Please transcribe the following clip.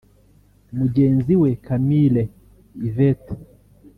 Mugenzi we Camille Yvette